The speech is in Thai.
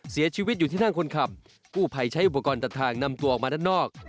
เสียชีวิตอยู่ที่นั่งคนขับกู้ภัยใช้อุปกรณ์ตัดทางนำตัวออกมาด้านนอก